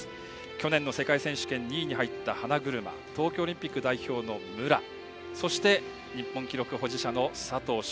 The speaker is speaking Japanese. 去年の世界選手権２位に入った花車東京オリンピック代表の武良そして、日本記録保持者の佐藤翔